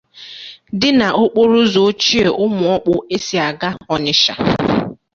dị n'okporoụzọ ochie Umuokpu esi aga Ọnịsha.